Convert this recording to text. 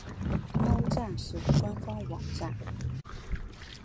猫战士官方网站